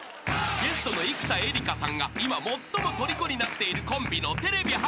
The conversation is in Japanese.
［ゲストの生田絵梨花さんが今最もとりこになっているコンビのテレビ